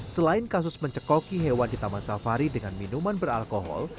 selain kasus mencekoki hewan di taman safari dengan minuman beralkohol